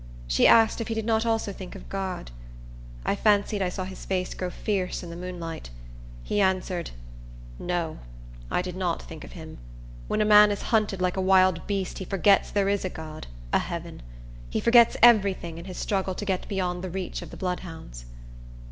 She asked if he did not also think of God. I fancied I saw his face grow fierce in the moonlight. He answered, "No, I did not think of him. When a man is hunted like a wild beast he forgets there is a God, a heaven. He forgets every thing in his struggle to get beyond the reach of the bloodhounds."